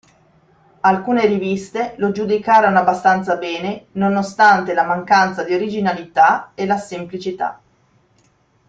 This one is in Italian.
Alcune riviste lo giudicarono abbastanza bene nonostante la mancanza di originalità e la semplicità.